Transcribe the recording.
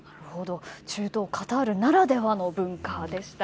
中東カタールならではの文化でした。